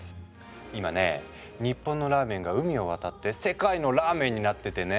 今ね日本のラーメンが海を渡って「世界のＲＡＭＥＮ」になっててね。